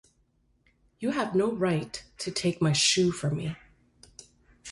You have no right to take my shoe from me.